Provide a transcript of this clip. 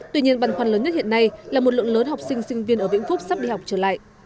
tuy nhiên băn khoăn lớn nhất hiện nay là một lượng lớn học sinh sinh viên ở vĩnh phúc sắp đi học trở lại